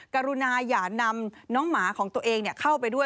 กรุณาอย่านำน้องหมาของตัวเองเข้าไปด้วย